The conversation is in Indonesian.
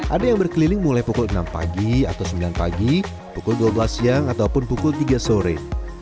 ada yang berkeliling mulai pukul enam pagi atau sembilan pagi pukul dua belas siang ataupun pukul tiga sore